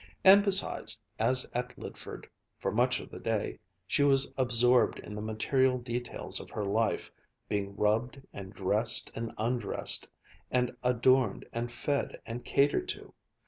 And besides, as at Lydford, for much of the day, she was absorbed in the material details of her life, being rubbed and dressed and undressed, and adorned and fed and catered to.